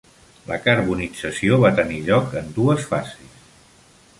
La carbonització va tenir lloc en dos fases.